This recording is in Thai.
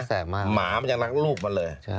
หมามันยังรักลูกมันเลย